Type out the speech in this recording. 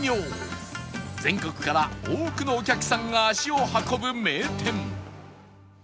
全国から多くのお客さんが足を運ぶ名店